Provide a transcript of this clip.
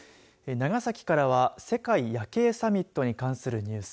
長崎からは世界夜景サミットに関するニュース。